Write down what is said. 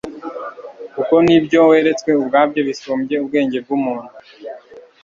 kuko n'ibyo weretswe ubwabyo bisumbye ubwenge bw'umuntu